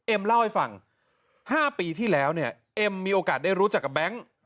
เล่าให้ฟัง๕ปีที่แล้วเนี่ยเอ็มมีโอกาสได้รู้จักกับแบงค์